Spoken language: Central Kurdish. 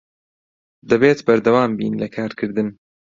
دەبێت بەردەوام بین لە کارکردن.